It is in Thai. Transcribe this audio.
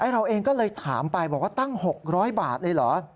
เราเองก็เลยถามไปบอกว่าตั้ง๖๐๐บาทเลยเหรอ